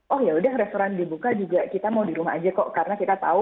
oh yaudah restoran dibuka juga kita mau di rumah aja kok karena kita tahu